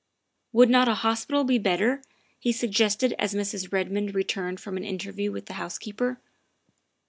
" Would not a hospital be better?" he suggested as Mrs. Redmond turned from an interview with the house keeper.